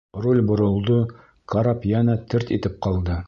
Руль боролдо, карап йәнә терт итеп ҡалды.